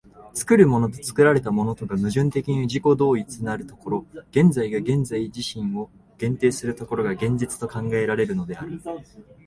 作るものと作られたものとが矛盾的に自己同一なる所、現在が現在自身を限定する所が、現実と考えられるのである。